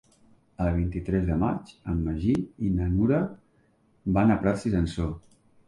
El vint-i-tres de maig en Magí i na Nura van a Prats i Sansor.